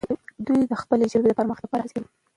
دوی د خپلې ژبې د پرمختګ لپاره هڅې کوي.